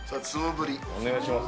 お願いします。